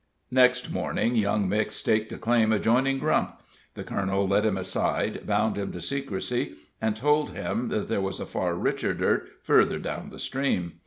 Next morning young Mix staked a claim adjoining Grump. The colonel led him aside, bound him to secrecy and told him that there was a far richer dirt further down the stream.